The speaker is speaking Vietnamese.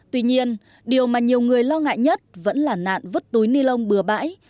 tuy nhiên điều mà nhiều người lo ngại nhất vẫn là nạn vứt túi ni lông bừa bãi